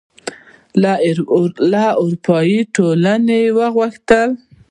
له اروپايي ټولنې غوښتي